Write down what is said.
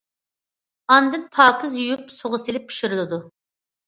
ئاندىن پاكىز يۇيۇپ، سۇغا سېلىپ پىشۇرۇلىدۇ.